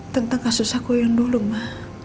tentang kasus aku yang dulu mah